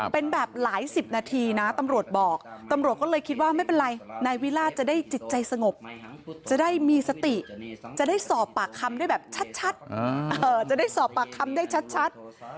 เป็นแบบหลายสิบนาทีนะตำรวจบอกตำรวจก็เลยคิดว่าไม่เป็นไรนายวิราชจะได้จิตใจสงบจะได้มีสติจะได้สอบปากคำได้แบบชัดจะได้สอบปากคำได้ชัด